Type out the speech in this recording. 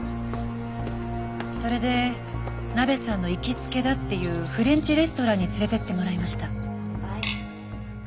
それでナベさんの行きつけだっていうフレンチレストランに連れてってもらいました。